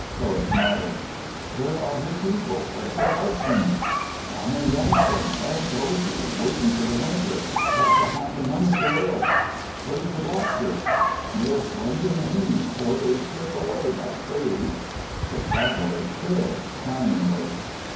Hillas nodded. "Where are her people? Where's her husband?" "Down in Yankton, Dan told you, working for the winter. Got to have the money to live." "Where's the doctor?" "Nearest one's in Haney four days' trip away by stage." The traveller stared, frowningly.